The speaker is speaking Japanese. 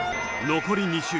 残り２周。